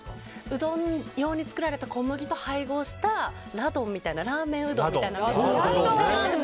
うどん用に作られた小麦粉と配合したらどんみたいな、ラーメンうどん。